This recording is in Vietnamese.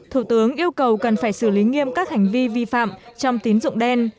thủ tướng yêu cầu cần phải xử lý nghiêm các hành vi vi phạm trong tín dụng đen